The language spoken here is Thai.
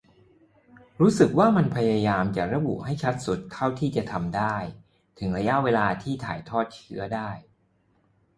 รู้สึกว่ามันพยายามจะระบุให้ชัดสุดเท่าที่ทำได้ ถึงระยะเวลาที่ถ่ายทอดเชื้อได้